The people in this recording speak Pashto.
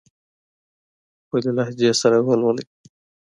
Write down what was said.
خپل لهجې سره ولولئ.